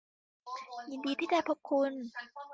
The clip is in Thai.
ยินดีที่ได้พบคุณ